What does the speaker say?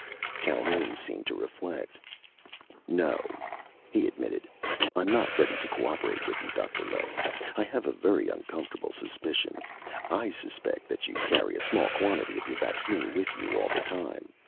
Calhoun seemed to reflect. "No," he admitted, "I'm not ready to co operate with you, Dr. Lett. I have a very uncomfortable suspicion. I suspect that you carry a small quantity of your vaccine with you all the time.